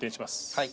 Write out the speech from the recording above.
はい。